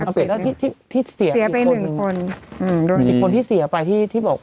อับเป็ดแล้วที่ที่เสียไปหนึ่งคนอืมโดนอีกคนที่เสียไปที่ที่บอก